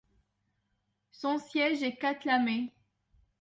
Son siège est Cathlamet.